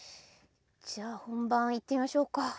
じゃあほんばんいってみましょうか。